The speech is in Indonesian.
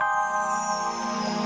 lastin gak mau ketemu